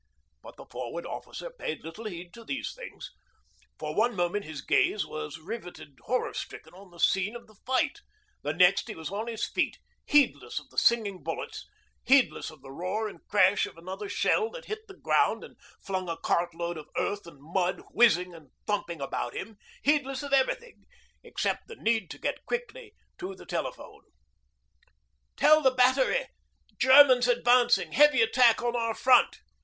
But the Forward Officer paid little heed to these things. For one moment his gaze was riveted horror stricken on the scene of the fight; the next he was on his feet, heedless of the singing bullets, heedless of the roar and crash of another shell that hit the ground and flung a cart load of earth and mud whizzing and thumping about him, heedless of everything except the need to get quickly to the telephone. 'Tell the Battery, Germans advancing heavy attack on our front!'